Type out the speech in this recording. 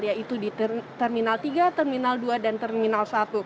yaitu di terminal tiga terminal dua dan terminal satu